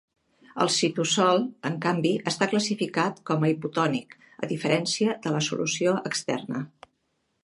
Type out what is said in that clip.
El citosol, en canvi, està classificat com a hipotònic, a diferencia de la solució externa.